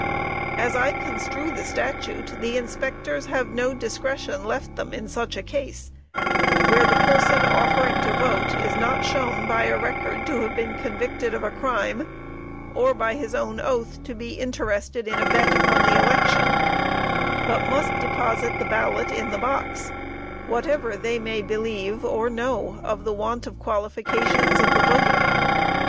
As I construe the statute, the inspectors have no discretion left them in such a case (where the person offering to vote is not shown by a record to have been convicted of a crime, or by his own oath to be interested in a bet upon the election,) _but must deposit the ballot in the box, whatever they may believe or know of the want of qualifications of the voter.